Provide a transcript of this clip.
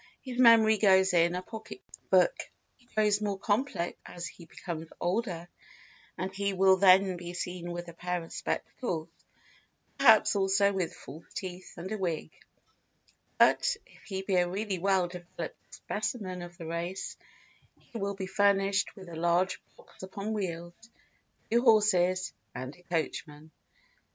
His memory goes in a pocket book. He grows more complex as he becomes older and he will then be seen with a pair of spectacles, perhaps also with false teeth and a wig; but, if he be a really well developed specimen of the race, he will be furnished with a large box upon wheels, two horses, and a coachman.